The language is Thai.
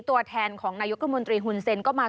ตัวแทนของนายกรัฐมนตรีหุ่นเซ็นก็มา